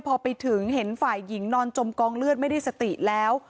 พอไปถึงเห็นฝ่ายหญิงนอนจมกองเลือดไม่ได้สติแล้ว